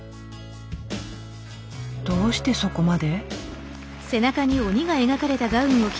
どうしてそこまで？